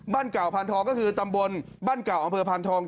เก่าพานทองก็คือตำบลบ้านเก่าอำเภอพานทอง